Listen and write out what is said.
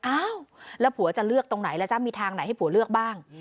อ้าวแล้วผัวจะเลือกตรงไหนแล้วจ๊ะมีทางไหนให้ผัวเลือกบ้าง